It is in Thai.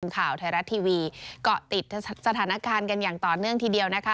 ข่าวไทยรัฐทีวีเกาะติดสถานการณ์กันอย่างต่อเนื่องทีเดียวนะคะ